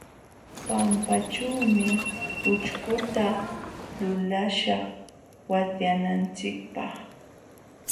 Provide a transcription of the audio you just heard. Pampaćhuumi ućhkuta lulaśhaq watyananchikpaq.